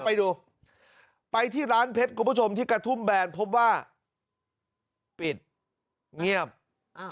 ไปดูไปที่ร้านเพชรคุณผู้ชมที่กระทุ่มแบนพบว่าปิดเงียบอ่า